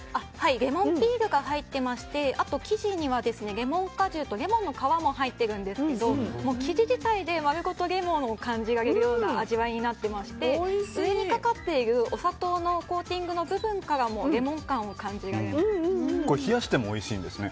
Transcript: レモンピールが入っていまして生地にはレモン果汁とレモンの皮も入っているんですけど生地自体で丸ごとレモンを感じるような味わいになってまして上にかかっているお砂糖のコーティングの部分からも冷やしてもおいしいんですね。